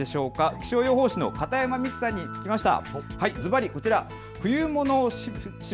気象予報士の片山美紀さんに聞きました。